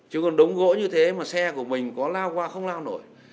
chứ còn đống gỗ như thế mà xe của mình có lao qua không lao nổi